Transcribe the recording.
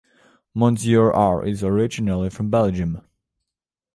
Monsieur R is originally from Belgium.